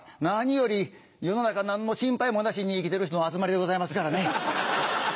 何より世の中何の心配もなしに生きてる人の集まりでございますからね。